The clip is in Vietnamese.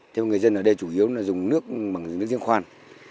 thế mà người dân ở đây chủ yếu là dùng nước bằng nước riêng khoan